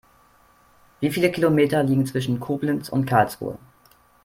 Wie viele Kilometer liegen zwischen Koblenz und Karlsruhe?